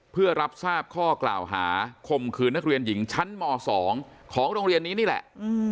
เพื่อรับทราบข้อกล่าวหาคมคืนนักเรียนหญิงชั้นม๒ของโรงเรียนนี้นี่แหละ